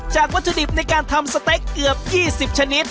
วัตถุดิบในการทำสเต็กเกือบ๒๐ชนิด